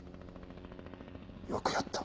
よくやった。